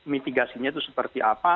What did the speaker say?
mitigasinya itu seperti apa